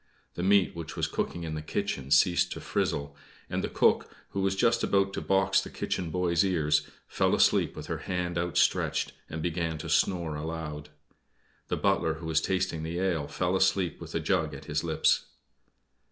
The meat which was cooking in the kitchen ceased to frizzle; and the cook, who was just about to box the kitchen boy's ears, fell asleep with her hand outstretched, and began to snore aloud. The butler who was tasting the ale, fell asleep with the jug at his lips.